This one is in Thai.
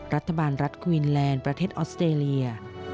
รัฐบาลรัฐควีนแลนด์ประเทศออสเตรเลีย